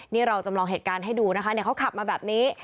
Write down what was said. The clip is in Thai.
นี่เราจำลองเหตุการณ์ให้ดูนะคะเขาขับมาแบบนี้